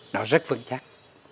nó rất vững chắc